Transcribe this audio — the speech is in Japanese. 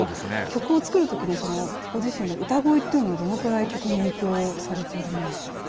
曲を作る時にご自身の歌声っていうのはどのくらい曲に影響されているものなんですか？